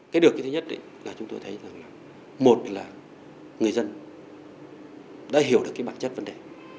cái được thứ nhất là chúng tôi thấy là một là người dân đã hiểu được bản chất vấn đề